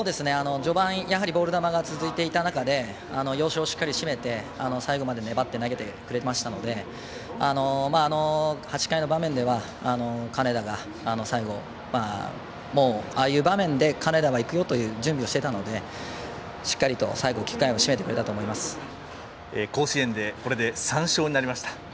序盤、やはりボール球が続いていた中で要所をしっかり締めて最後まで粘って投げてくれましたので８回の場面では金田が最後もう、ああいう場面で金田はいくよという準備をしてたのでしっかり最後、締めてくれたと甲子園でこれで３勝になりました。